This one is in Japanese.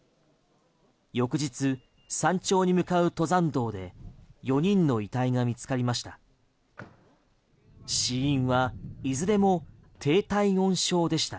翌日、山頂に向かう登山道で４人の遺体が見つかりました。